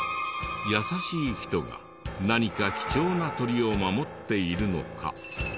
優しい人が何か貴重な鳥を守っているのか？